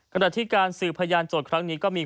ขณะที่การสืบพยานโจทย์ครั้งนี้ก็มี